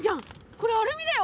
これアルミだよ。